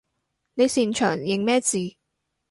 你擅長認咩字？